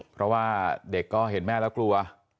หรือว่าเด็กก็เห็นแม่ละกลัว